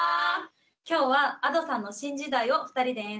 今日はＡｄｏさんの「新時代」を２人で演奏します。